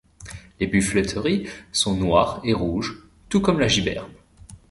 Les buffleteries sont noir et rouge, tout comme la giberne.